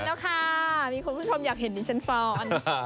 มีคนชมอยากเห็นมีชั้นฟ้อน